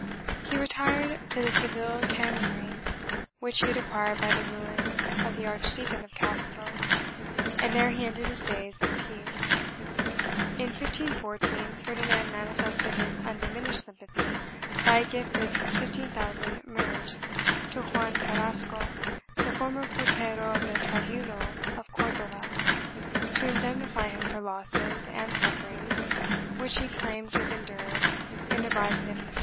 He retired to the Seville canonry, which he had acquired by the ruin of the Archdeacon of Castro, and there he ended his days in peace. In 1514, Ferdinand manifested his undiminished sympathy by a gift of 15,000 mrs. to Juan Carrasco, the former porter o of the tribunal of Cordova, to indemnify him for losses and sufferings which he claimed to have endured in the rising of 1506.